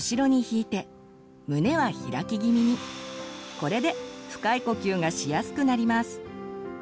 これで深い呼吸がしやすくなります。